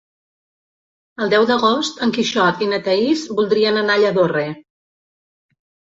El deu d'agost en Quixot i na Thaís voldrien anar a Lladorre.